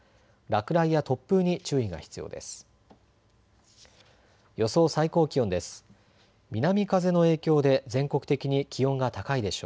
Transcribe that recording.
落雷や突風に注意が必要です。